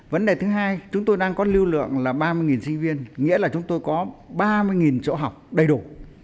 vấn đề thứ hai chúng tôi đang có lưu lượng là ba mươi sinh viên nghĩa là chúng tôi có ba mươi chỗ học đầy đủ